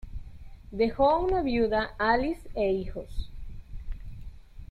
Dejó una viuda, Alice e hijos.